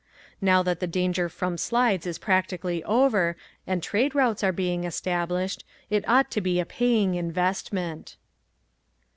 Now that the danger from slides is practically over and trade routes are being established it ought to be a paying investment.